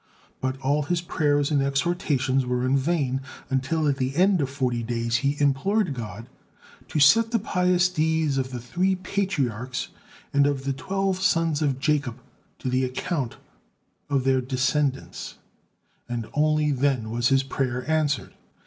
But all his prayers and exhortations were in vain, until at the end of forty days he implored God to set the pious deeds of the three Patriarchs and of the twelve sons of Jacob to the account of their descendants; and only then was his prayer answered.